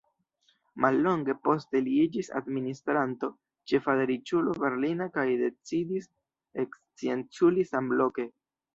Mallonge poste li iĝis administranto ĉefa de riĉulo berlina kaj decidis ekscienculi samloke.